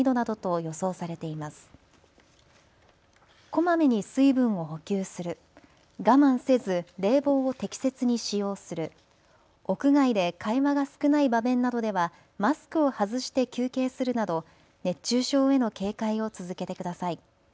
こまめに水分を補給する我慢せず冷房を適切に使用する屋外で会話が少ない場面などではマスクを外して休憩するなど熱中症への警戒を続けてください。